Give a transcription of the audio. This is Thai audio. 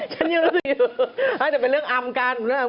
ฉันยังรู้สึกอยู่น่าจะเป็นเรื่องอำกัน